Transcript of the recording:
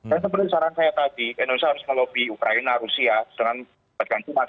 dan seperti saran saya tadi indonesia harus melobi ukraina rusia dengan berganti mata tni